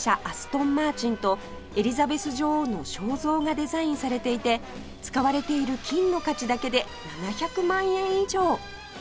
アストンマーチンとエリザベス女王の肖像がデザインされていて使われている金の価値だけで７００万円以上！